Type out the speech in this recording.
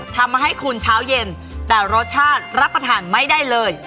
ทำให้คุณเช้าเย็นแต่รสชาติรับประทานไม่ได้เลย